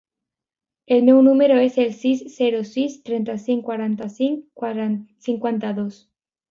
El meu número es el sis, zero, sis, trenta-cinc, quaranta-cinc, cinquanta-dos.